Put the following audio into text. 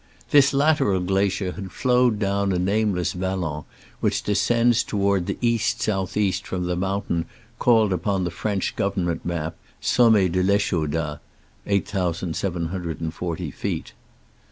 . This lateral glacier had flowed down a nameless vallon which descends toward the east south east from the mountain called upon the French government map Sommet de I'Eychouda (8740 feet).